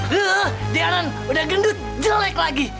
lo dianan udah gendut jelek lagi